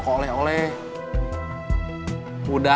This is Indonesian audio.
yang belum tau